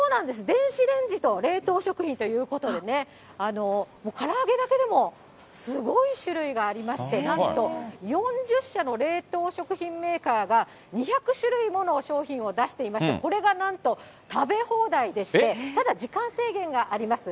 電子レンジと冷凍食品ということでね、から揚げだけでもすごい種類がありまして、なんと４０社の冷凍食品メーカーが２００種類もの商品を出していまして、これがなんと食べ放題でして、ただ、時間制限があります。